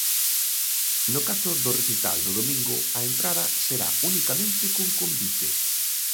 No caso do recital do domingo, a entrada será unicamente con convite.